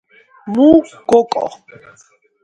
მუ გოკო